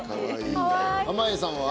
濱家さんは？